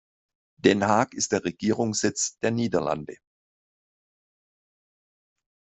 Den Haag ist der Regierungssitz der Niederlande.